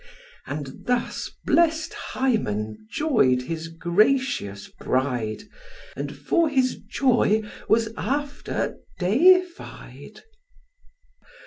And thus blest Hymen joy'd his gracious bride, And for his joy was after deified.